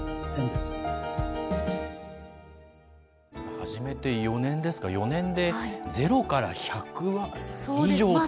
始めて４年ですか、４年でゼロから１００羽以上って。